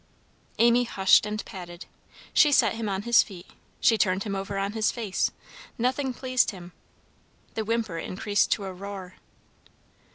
Amy hushed and patted. She set him on his feet, she turned him over on his face, nothing pleased him. The whimper increased to a roar.